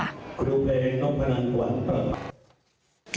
คือเพลงน้องพนันกวัน